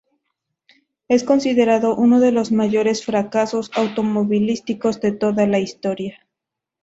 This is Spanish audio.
Es considerado uno de los mayores fracasos automovilísticos de toda la historia.